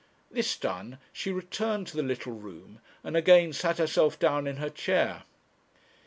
This done, she returned to the little room, and again sat herself down in her chair.